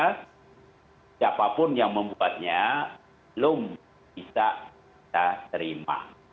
karena siapapun yang membuatnya belum bisa kita terima